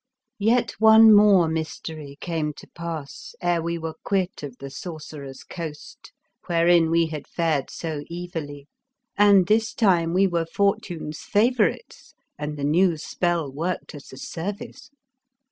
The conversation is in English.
Yet one more mystery came to pass ere we were quit of the Sorcerer's coast wherein we had fared so evilly, and this time we were fortune's favourites and the new spell worked us a service.